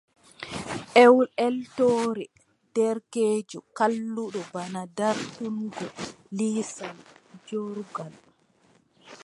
Eltoore derkeejo kalluɗo bana dartungo lisal joorngal.